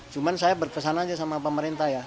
cuma saya berkesan aja sama pemerintah ya